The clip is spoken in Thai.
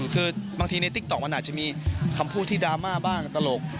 คือบางทีในติ๊กต๊อกมันอาจจะมีคำพูดที่ดราม่าบ้างตลก